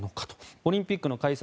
オリンピックの開催